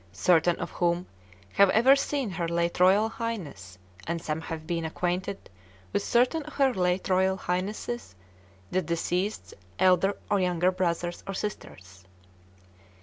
certain of whom have ever seen Her late Royal Highness, and some have been acquainted with certain of her late Royal Highness the deceased's elder or younger brothers and sisters.